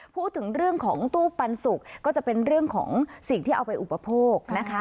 พูดถึงเรื่องของตู้ปันสุกก็จะเป็นเรื่องของสิ่งที่เอาไปอุปโภคนะคะ